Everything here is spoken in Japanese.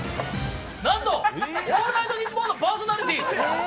なんと『オールナイトニッポン』のパーソナリティー。